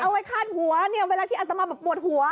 เอาไว้คาดหัวเวลาที่อัตมาปวดหัว